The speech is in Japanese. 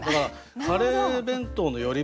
カレー弁当の寄り